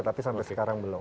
tapi sampai sekarang belum